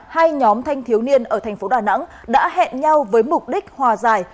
hai nhóm thanh thiếu niên ở tp đà nẵng đã hẹn nhau với mục đích hòa giải